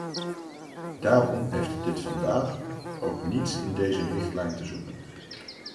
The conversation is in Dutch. Daarom heeft dit vandaag ook niets in deze richtlijn te zoeken.